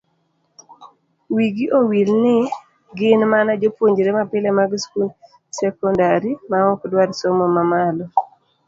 Wigi owil ni gin mana jopuonjre mapile mag skund sekondari maok dwar somo mamalo.